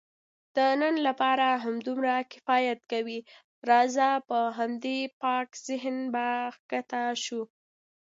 د نن لپاره همدومره کفایت کوي، راځه په همدې پاک ذهن به کښته شو.